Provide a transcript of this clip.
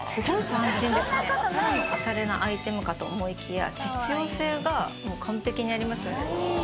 ただのおしゃれなアイテムかと思いきや実用性が完璧にあります。